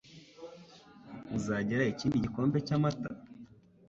Uzagira ikindi gikombe cyamata?